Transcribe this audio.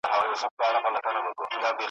څرېدی به له سهاره تر ماښامه `